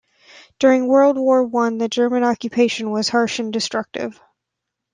During World War One, the German occupation was harsh and destructive.